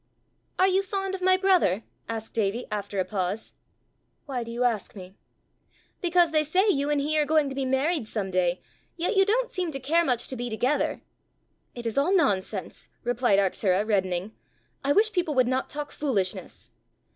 "Are you fond of my brother?" asked Davie, after a pause. "Why do you ask me?" "Because they say you and he are going to be married some day, yet you don't seem to care much to be together." "It is all nonsense!" replied Arctura, reddening. "I wish people would not talk foolishness!"